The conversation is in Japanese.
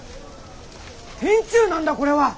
天誅なんだこれは！